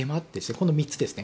この３つですね。